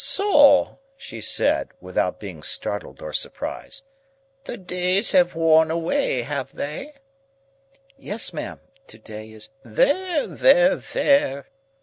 "So!" she said, without being startled or surprised: "the days have worn away, have they?" "Yes, ma'am. To day is—" "There, there, there!"